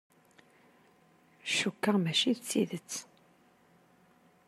Cukkeɣ mačči d tidett.